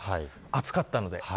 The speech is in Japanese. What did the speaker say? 暑かったので。